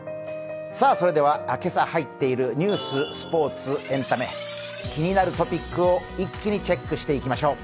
それでは今朝入っているニュース、スポーツ、エンタメ、気になるトピックを一気にチェックしてまいりましょう。